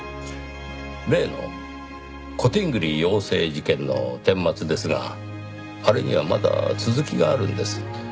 例のコティングリー妖精事件の顛末ですがあれにはまだ続きがあるんです。